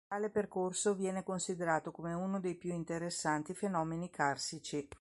Tale percorso viene considerato come uno dei più interessanti fenomeni carsici.